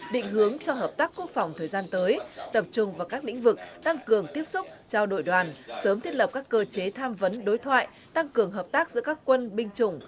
định hướng cho hợp tác quốc phòng thời gian tới tập trung vào các lĩnh vực tăng cường tiếp xúc trao đổi đoàn sớm thiết lập các cơ chế tham vấn đối thoại tăng cường hợp tác giữa các quân binh chủng